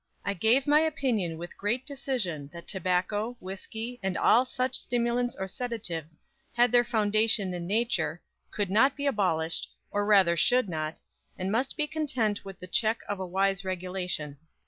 ... I gave my opinion with great decision that tobacco, whisky and all such stimulants or sedatives, had their foundation in nature, could not be abolished, or rather should not, and must be content with the check of a wise regulation.